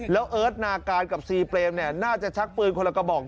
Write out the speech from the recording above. แล้วเอิร์ทนาการกับซีเปรมเนี่ยน่าจะชักปืนคนละกระบอก